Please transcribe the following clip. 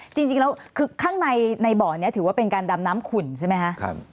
จริงแล้วคือข้างในในบ่อนี้ถือว่าเป็นการดำน้ำขุ่นใช่ไหมคะ